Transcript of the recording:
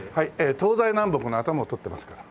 東西南北の頭を取ってますから。